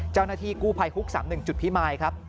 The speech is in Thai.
เจ้าหน้าที่กู้ภัยฮุก๓๑จุดพิมายครับ